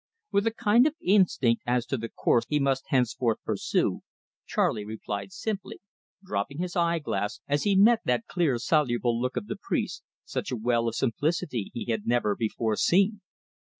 With a kind of instinct as to the course he must henceforth pursue, Charley replied simply, dropping his eye glass as he met that clear soluble look of the priest such a well of simplicity he had never before seen.